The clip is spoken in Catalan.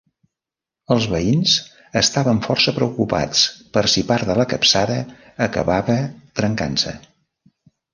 Els veïns estaven força preocupats per si part de la capçada acabava trencant-se.